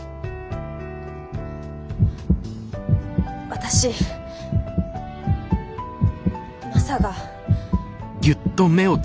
私マサが。